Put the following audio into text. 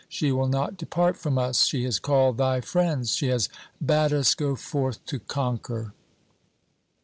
She will not depart from us. She has called thy friends ; she has bade us go forth to conquer."